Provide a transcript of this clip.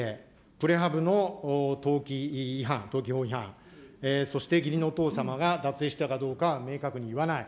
プレハブの登記法違反、そして義理のお父様が脱税したかどうか明確に言わない。